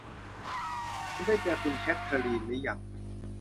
คุณได้เจอคุณแคทเทอรีนรึยัง